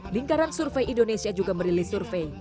lingkaran survei indonesia juga merilis survei